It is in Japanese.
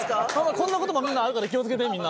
こんなこともあるから気を付けてみんな。